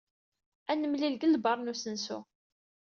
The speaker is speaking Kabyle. Ad nemlil deg lbaṛ n usensu.